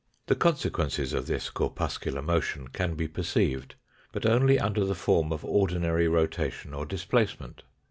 The consequences of this corpus cular motion can be perceived, but only under the form of ordinary rotation or displacement.